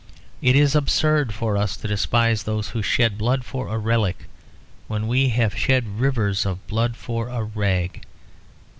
It is absurd for us to despise those who shed blood for a relic when we have shed rivers of blood for a rag.